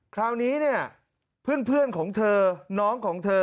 คราวนี้เนี่ยเพื่อนของเธอน้องของเธอ